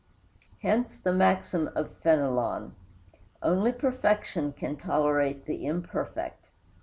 Hence the maxim of Fénelon: "Only perfection can tolerate the imperfect."